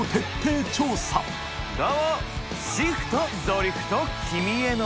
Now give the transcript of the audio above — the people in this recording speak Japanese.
どうも。